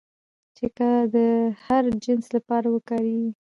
چې که د هر جنس لپاره وکارېږي